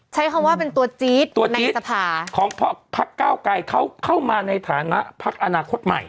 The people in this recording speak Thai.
ใช้คำว่าเป็นตัวจี๊ดตัวจี๊ดของพักเก้าไกรเขาเข้ามาในฐานะพักอนาคตใหม่